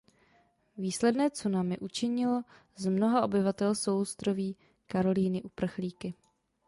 Výsledné tsunami učinilo z mnoha obyvatel souostroví Karolíny uprchlíky.